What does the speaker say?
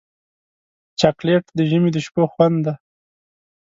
چاکلېټ د ژمي د شپو خوند دی.